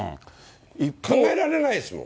考えられないですもん。